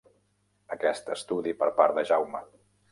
Aquest estudi per part de Jaume.